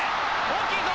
大きいぞ！